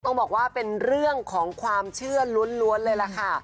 ต้องบอกว่าเป็นเรื่องของความเชื่อล้วนเลยล่ะค่ะ